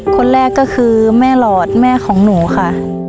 คนแรกก็คือแม่หลอดแม่ของหนูค่ะ